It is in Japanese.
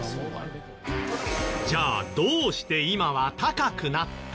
じゃあどうして今は高くなったの？